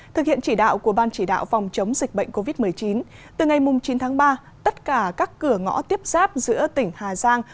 thực hiện chỉ đạo của ban chỉ đạo phòng chống dịch bệnh covid một mươi chín từ ngày chín tháng ba tất cả các cửa ngõ tiếp giáp giữa tỉnh hà giang